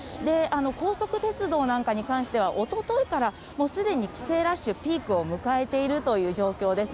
高速鉄道なんかに関しては、おとといからもうすでに帰省ラッシュ、ピークを迎えているという状況です。